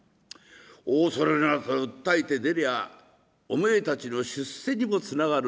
お恐れながらと訴えて出りゃおめえたちの出世にもつながるんだ。